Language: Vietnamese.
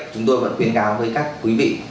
chúng tôi vẫn khuyến gáo với các quý vị